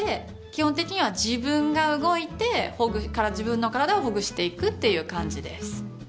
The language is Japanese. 基本的には自分が動いて自分の体をほぐしていくっていう感じです。